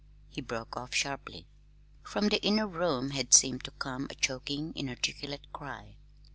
he broke off sharply. From the inner room had seemed to come a choking, inarticulate cry.